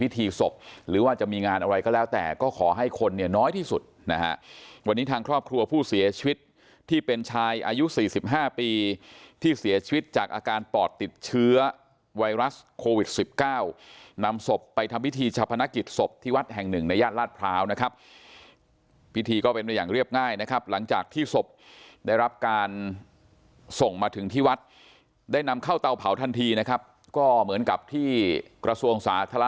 ที่เป็นชายอายุสี่สิบห้าปีที่เสียชีวิตจากอาการปอดติดเชื้อไวรัสโควิดสิบเก้านำศพไปทำพิธีชาปนกฤษศพที่วัดแห่งหนึ่งในย่านรัฐพราวนะครับพิธีก็เป็นเป็นอย่างเรียบง่ายนะครับหลังจากที่ศพได้รับการส่งมาถึงที่วัดได้นำเข้าเตาเผาทันทีนะครับก็เหมือนกับที่กระทรวง